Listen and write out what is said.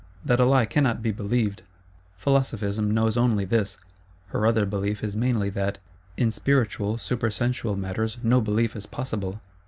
That a Lie cannot be believed! Philosophism knows only this: her other belief is mainly that, in spiritual supersensual matters no Belief is possible.